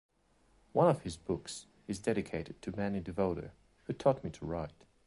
One of his books is dedicated To Benny DeVoto, who taught me to write.